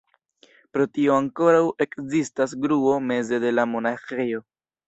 Pro tio ankoraŭ ekzistas gruo meze de la monaĥejo.